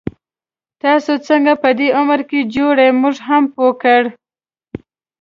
تاسو څنګه په دی عمر کي جوړ يې، مونږ هم پوه کړه